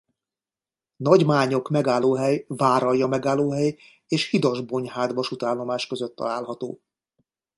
Nagymányok megállóhely Váralja megállóhely és Hidas-Bonyhád vasútállomás között található.